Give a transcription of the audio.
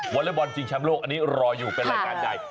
อเล็กบอลชิงแชมป์โลกอันนี้รออยู่เป็นรายการใหญ่